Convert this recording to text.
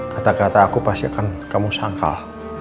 kata kata aku pasti akan kamu sangkal